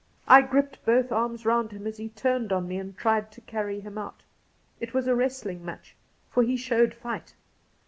I gripped both arms round him as he turned on me and tried to carry him out. It was a wrestling match, for he showed fight.